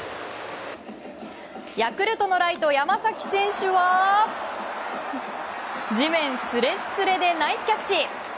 ヤクルトのライト、山崎選手は地面すれっすれでナイスキャッチ！